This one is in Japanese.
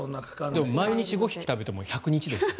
でも毎日５匹食べても１００日ですよ。